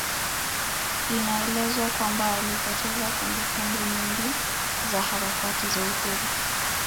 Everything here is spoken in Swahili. Inaelezwa kwamba alipoteza kumbukumbu nyingi za harakati za Uhuru